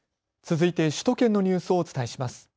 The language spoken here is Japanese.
続いて首都圏のニュースをお伝えします。